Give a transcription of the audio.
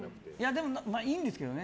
でも、いいんですけどね。